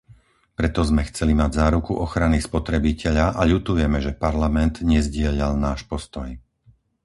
Preto sme chceli mať záruku ochrany spotrebiteľa a ľutujeme, že Parlament nezdieľal náš postoj.